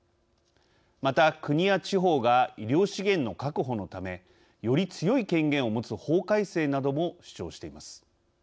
また、国や地方が医療資源の確保のためより強い権限を持つ法改正なども主張しています。